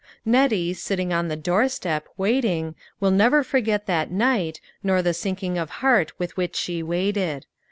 Nettie, sitting on the doorstep, waiting, will never forget that night, nor the sinking of heart with which she waited.